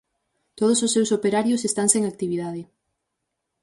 Todos os seus operarios están sen actividade.